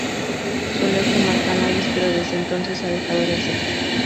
Solía fumar cannabis, pero desde entonces ha dejado de hacerlo.